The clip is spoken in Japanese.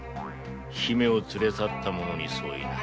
姫を連れ去った者に相違ない。